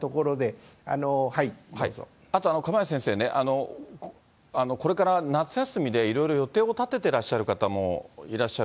あと、釜萢先生ね、これから夏休みでいろいろ予定を立ててらっしゃる方もいらっしゃ